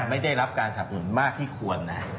ไม่ได้รับการสับหนุนมากที่ควรนะ